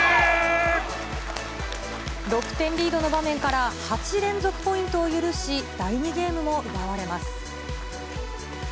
６点リードの場面から８連続ポイントを許し、第２ゲームを奪われます。